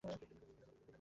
তুমি কথা দিয়েছিলে!